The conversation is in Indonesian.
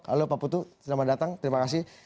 halo pak putu selamat datang terima kasih